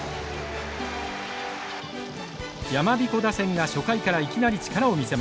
やまびこ打線が初回からいきなり力を見せます。